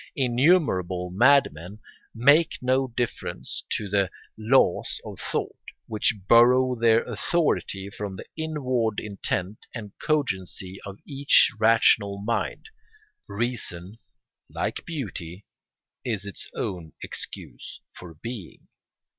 Innumerable madmen make no difference to the laws of thought, which borrow their authority from the inward intent and cogency of each rational mind. Reason, like beauty, is its own excuse for being.